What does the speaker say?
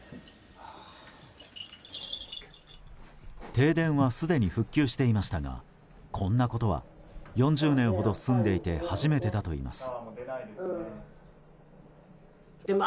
停電はすでに復旧していましたがこんなことは４０年ほど住んでいて初めてだといいます。